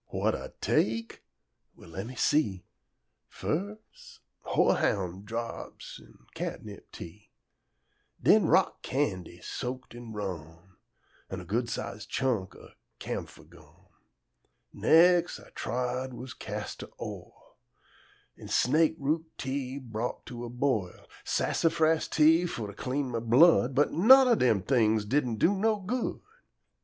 "Wha'd Ah take?" Well, le' me see: Firs', horhound drops an' catnip tea; Den rock candy soaked in rum, An' a good sized chunk o' camphor gum; Next Ah tried was castor oil, An' snakeroot tea brought to a boil; Sassafras tea fo' to clean mah blood; But none o' dem t'ings didn' do no good.